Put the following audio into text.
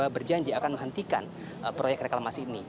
berjanji akan menghentikan proyek reklamasi ini